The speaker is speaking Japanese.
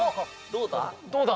どうだ？